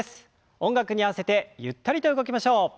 音楽に合わせてゆったりと動きましょう。